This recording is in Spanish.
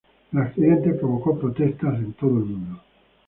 El accidente provocó protestas en todo el mundo.